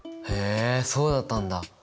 へえそうだったんだ。